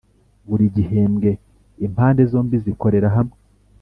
Buri gihembwe impande zombi zikorera hamwe